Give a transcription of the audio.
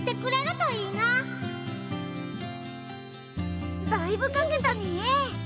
だいぶ描けたね！